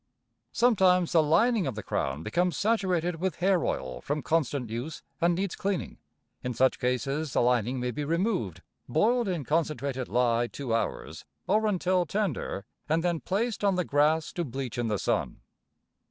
Sometimes, the lining of the crown becomes saturated with hair oil from constant use and needs cleaning. In such cases the lining may be removed, boiled in concentrated lye two hours, or until tender, and then placed on the grass to bleach in the sun.